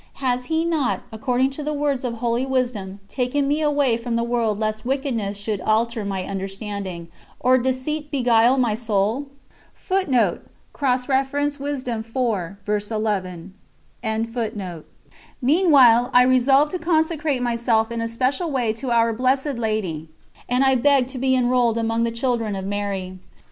Has He not, according to the words of Holy Wisdom, "taken me away from the world lest wickedness should alter my understanding, or deceit beguile my soul?" Meanwhile I resolved to consecrate myself in a special way to Our Blessed Lady, and I begged to be enrolled among the Children of Mary.